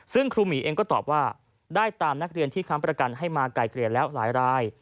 ซึ่งครูหมีเองก็ตอบว่าได้ตามนักเรียนที่ค้ำประกันให้มาไกลเกลี่ยแล้วหลายราย